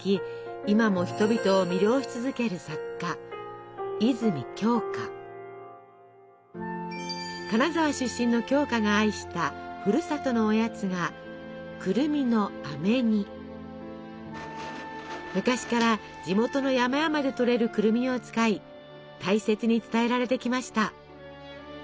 今も人々を魅了し続ける作家金沢出身の鏡花が愛したふるさとのおやつが昔から地元の山々でとれるくるみを使い大切に伝えられてきました。